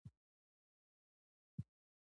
په حقوقي ظرافتونو کې یې مرسته کوله.